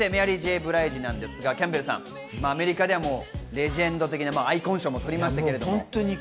メアリー・Ｊ．ブライジですが、キャンベルさん、アメリカではレジェンド的、アイコン賞も取りましたけど。